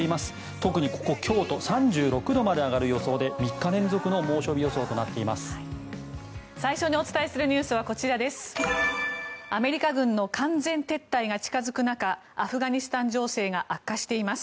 特にここ、京都３６度まで上がる予想で３日連続の猛暑日予想となっています。